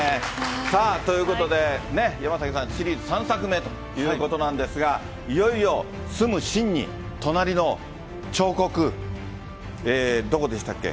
さあ、ということで、ね、山崎さん、シリーズ３作目ということなんですが、いよいよ住む秦に隣のちょうこく、どこでしたっけ？